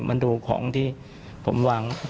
มันดูของที่ผมวาง